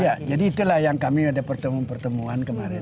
ya jadi itulah yang kami ada pertemuan pertemuan kemarin